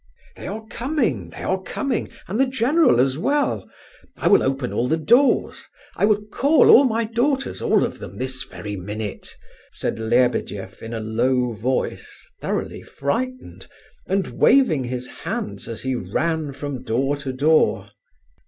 "They are coming, they are coming; and the general as well. I will open all the doors; I will call all my daughters, all of them, this very minute," said Lebedeff in a low voice, thoroughly frightened, and waving his hands as he ran from door to door.